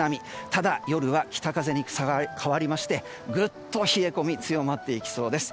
ただ、夜は北風に変わりましてぐっと冷え込み強まっていきそうです。